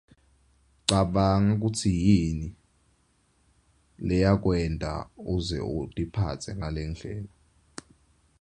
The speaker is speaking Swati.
Cabanga kutsi yini leyakwenta uze utiphatse ngalendlela.